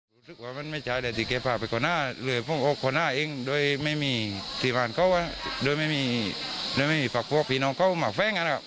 รู้สึกว่ามันไม่ใช่แต่ที่เขาพาไปข้อหน้าเหลือพุ่งออกข้อหน้าเองโดยไม่มีธริบาลเขาโดยไม่มีฝากพวกพี่น้องเขามาแฟ้งกันครับ